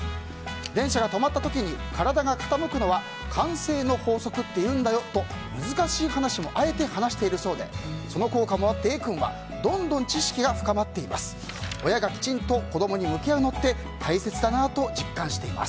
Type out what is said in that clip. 電車が止まった時に体が傾くのは慣性の法則というんだよと難しい話もあえて話しているそうでその効果もあってＡ君はどんどん知識が深まっています。